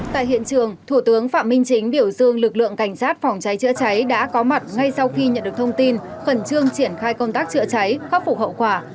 tại hiện trường thủ tướng phạm minh chính biểu dương lực lượng cảnh sát phòng cháy chữa cháy đã có mặt ngay sau khi nhận được thông tin khẩn trương triển khai công tác chữa cháy khắc phục hậu quả